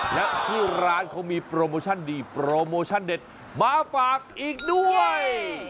และที่ร้านเขามีโปรโมชั่นดีโปรโมชั่นเด็ดมาฝากอีกด้วย